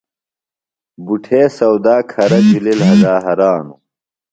بُٹھے سودا کھرہ جُھلیۡ لھدا ہرانوۡ۔